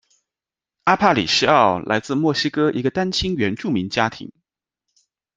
阿帕里西奥来自墨西哥一个单亲原住民家庭。